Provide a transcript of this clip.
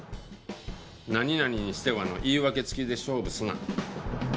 「何々にしては」の言い訳付きで勝負すな。